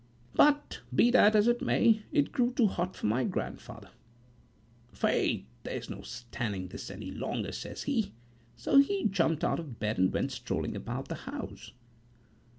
"But be that as it may, it grew too hot for my grandfather.""Faith there's no standing this any longer," says he; so he jumped out of bed and went strolling about the house."